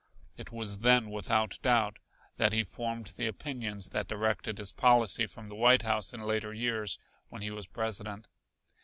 It was then, without doubt, that he formed the opinions that directed his policy from the White House in later years when he was President.